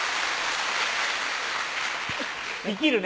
生きるね！